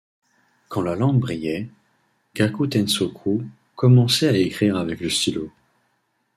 Quand la lampe brillait, Gakutensoku commençait à écrire avec le stylo.